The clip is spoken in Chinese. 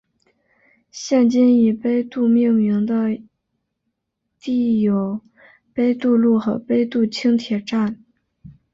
现今以杯渡命名的地有杯渡路和杯渡轻铁站。